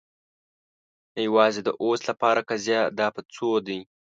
نه، یوازې د اوس لپاره قضیه. دا په څو دی؟